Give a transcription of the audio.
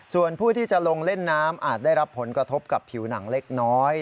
ส่วนผู้ที่จะลงเล่นน้ำอาจได้รับผลกระทบกับผิวหนังเล็กน้อย